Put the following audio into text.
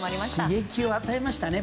刺激を与えましたね